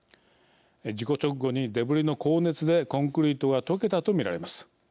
事故直後にデブリの高熱でコンクリートが溶けたと見られます。